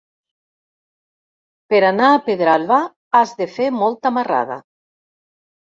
Per anar a Pedralba has de fer molta marrada.